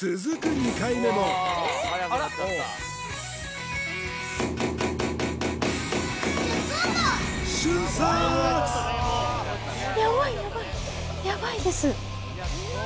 ２回目も瞬殺やばいです